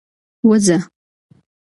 وزه 🐐